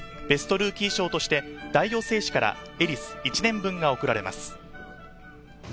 ベストルーキー賞として大王製紙からエリス１年分が贈られます。